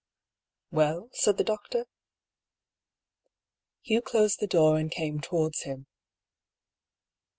« Well ?" said the doctor. Hugh closed the door and came towards him.